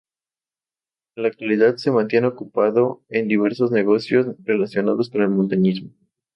En la actualidad se mantiene ocupado en diversos negocios relacionados con el montañismo.